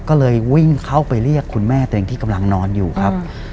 ก็เลยวิ่งเข้าไปเรียกคุณแม่ตัวเองที่กำลังนอนอยู่ครับ